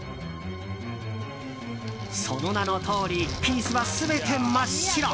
その名のとおりピースは全て真っ白。